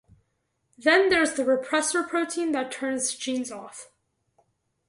Then there's the repressor protein that turns genes off.